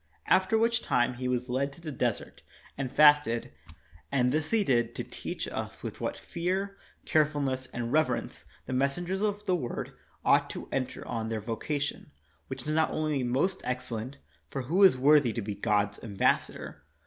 After which time He was led to the desert, and fasted, as before is said ; and this He did to teach us with what fear, carefulness, and reverence the messengers of the Word ought to enter on their vocation, which is not only most excellent (for who is worthy to be God's ambassador?)